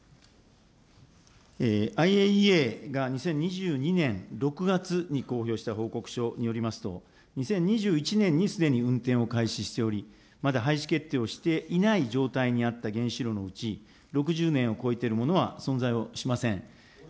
ＩＡＥＡが２０２２年６月に公表した報告書によりますと、２０２１年にすでに運転を開始しており、まだ廃止決定をしていない状態の原子炉のうち、６０年を超えているものは存在をしません。